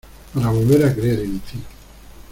para volver a creer en ti.